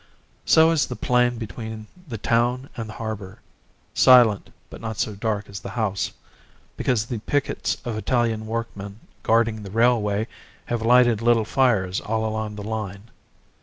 So is the plain between the town and the harbour; silent, but not so dark as the house, because the pickets of Italian workmen guarding the railway have lighted little fires all along the line.